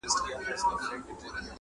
څه ووایم چي یې څرنګه آزار کړم٫